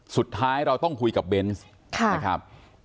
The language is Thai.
สุดท้ายเราต้องคุยกับเบนส์นะครับ